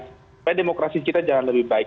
supaya demokrasi kita jangan lebih baik